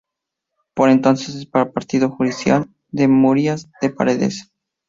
Por entonces era partido judicial de Murias de Paredes.